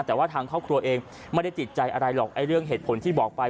แต่ว่าทางครอบครัวเองไม่ได้ติดใจอะไรหรอกเรื่องเหตุผลที่บอกไป